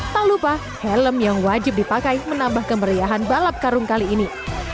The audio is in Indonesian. tak lupa helm yang wajib dipakai menambah kemeriahan balap karung kali ini